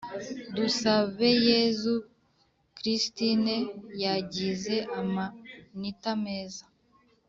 dusabeyezu christine yagize amanita meza